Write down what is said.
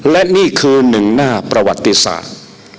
และนี่คือหนึ่งหน้าประวัติศาสตร์